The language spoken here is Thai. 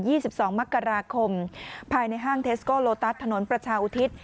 สิบสองมกราคมภายในห้างเทสโกโลตัสถนนประชาอุทิศ